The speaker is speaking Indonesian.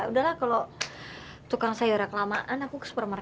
udah lah kalau tukang sayurnya kelamaan aku ke supermarket